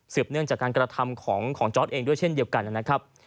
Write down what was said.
เนื่องจากการกระทำของจอร์ดเองด้วยเช่นเดียวกันนะครับ